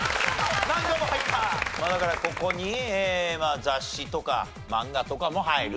だからここに雑誌とかマンガとかも入ると。